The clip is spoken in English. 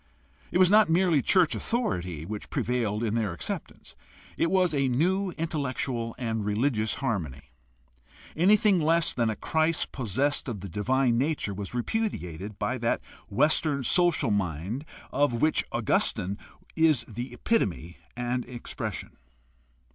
It was not merely church authority which prevailed in their acceptance; it was a new intellectual and religious harmony. Anything less than a Christ possessed of the divine nature was repudiated by that Western social mind of which Augustine is the epitome and expression.